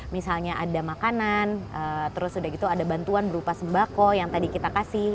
misalnya ada makanan terus sudah gitu ada bantuan berupa sembako yang tadi kita kasih